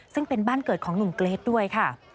ซึ่งเป็นบ้านเกิดของหนุ่มเกรทด้วยค่ะ